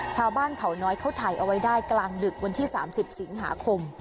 ชาวบ้านเขาน้อยเขาถ่ายเอาไว้ได้กลางดึกวันที่๓๐สิงหาคม